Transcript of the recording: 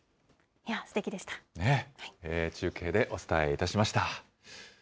中継でお伝えいたしました。